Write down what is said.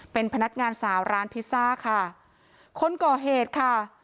เป็นพนักงานสาวร้านพิซซ่าค่ะคนก่อเหตุค่ะ